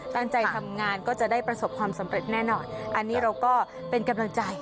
ตั้งใจทำงานก็จะได้ประสบความสำเร็จแน่นอนอันนี้เราก็เป็นกำลังใจ